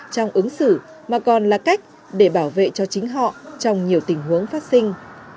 trong ứng xử mà còn là cách để bảo vệ cho chính họ trong nhiều tình huống phát sinh